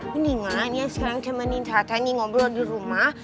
mendingan ian sekarang temenin tata ngomong di rumah